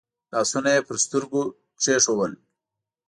لاسونه يې پر سترګو کېښودل.